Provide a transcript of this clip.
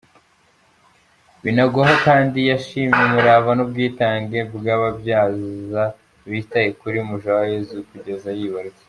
Binagwaho kandi yashimye umurava n’ubwitange by’ababyaza bitaye kuri Mujawayezu kugeza yibarutse.